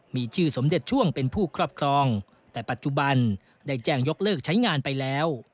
มีชื่อสมเด็จช่วงเป็นผู้ครอบครองแต่ปัจจุบันได้แจ้งยกเลิกใช้งานไปแล้ว